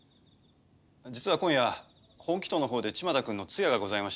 実は今夜本鬼頭の方で千万太君の通夜がございまして。